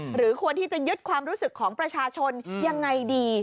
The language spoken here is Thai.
หรือควรที่จะยึดความรู้สึกของประชาชนยังไงดี